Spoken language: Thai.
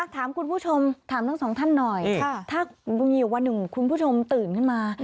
ถามคุณผู้ชมถามทั้งสองท่านหน่อยถ้ามีอยู่วันหนึ่งคุณผู้ชมตื่นขึ้นมา